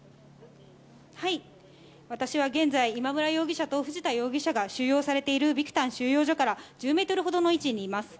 私は現在、今村容疑者と藤田容疑者が収容されてるビクタン収容所から１０メートルほどの位置にいます。